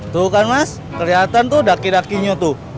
tuh kan mas kelihatan tuh daki dakinya tuh